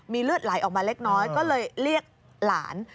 เลือดไหลออกมาเล็กน้อยก็เลยเรียกหลาน